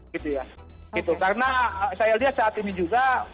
karena saya lihat saat ini juga